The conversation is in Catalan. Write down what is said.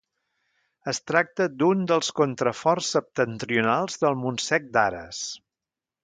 Es tracta d'un dels contraforts septentrionals del Montsec d'Ares.